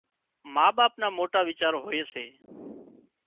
ما ٻاپ نا موٽا ويچار هوئي سي